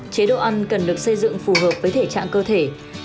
chế độ ăn cần được xây dựng phù hợp với thể trạng cơ thể